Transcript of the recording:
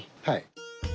はい。